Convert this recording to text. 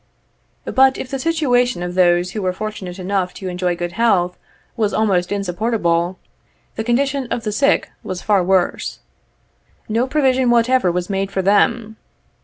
But, if the situation of those who were fortunate enough to enjoy good health was almost insupportable, the condition of the sick was far worse. No provision whatever was made for them.